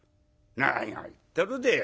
「何を言っとるで。